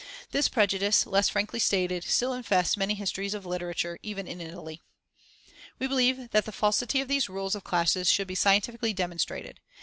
This prejudice, less frankly stated, still infests many histories of literature, even in Italy. We believe that the falsity of these rules of classes should be scientifically demonstrated.